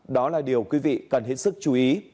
đó là điều quý vị cần hết sức chú ý